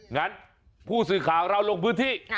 งั้นผู้สื่อข่าวเราลงพื้นที่